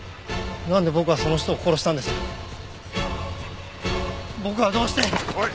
なんで僕はその人を殺したんですか？